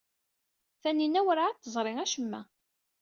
Taninna werɛad teẓri acemma.